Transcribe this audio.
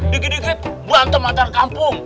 dikit dikit berantem antar kampung